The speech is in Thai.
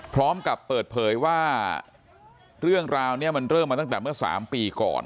พร้อมกับเปิดเผยว่าเรื่องราวนี้มันเริ่มมาตั้งแต่เมื่อ๓ปีก่อน